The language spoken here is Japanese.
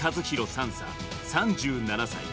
３佐３７歳。